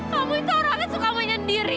kamu itu orangnya suka menyendiri